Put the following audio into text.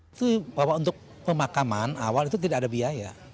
itu bahwa untuk pemakaman awal itu tidak ada biaya